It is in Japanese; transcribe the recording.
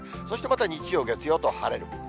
そしてまた日曜、月曜と晴れる。